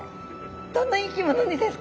どんな生き物にですか？